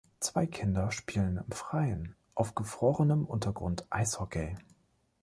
Zwei Kinder spielen im Freien auf gefrorenem Untergrund Eishockey.